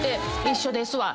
「一緒ですわ」！